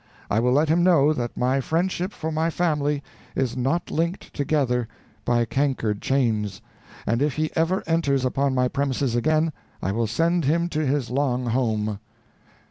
I will let him know that my friendship for my family is not linked together by cankered chains; and if he ever enters upon my premises again, I will send him to his long home."